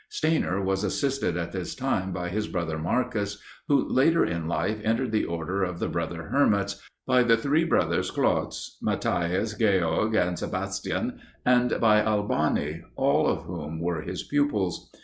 Stainer was assisted at this time by his brother Marcus, who later in life entered the order of the Brother Hermits, by the three brothers Klotz (Mathias, George, and Sebastian), and by Albani, all of whom were his pupils.